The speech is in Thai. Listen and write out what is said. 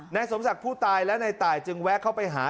นายสมศักดิ์ผู้ตายและในตายจึงแวะเข้าไปหา